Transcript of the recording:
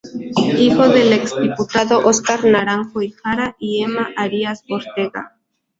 Hijo del exdiputado Óscar Naranjo Jara y Ema Arias Ortega.